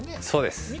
そうです。